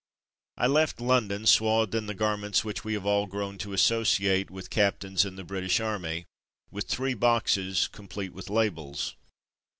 I left London, swathed in the garments which we have all grown to associate with captains in the British Army, with three boxes, complete with labels.